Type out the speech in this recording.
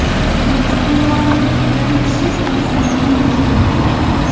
yakuwan pukllaytsu uqukunkim.